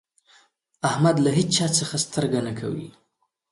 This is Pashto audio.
احمد له هيچا څځه سترګه نه کوي.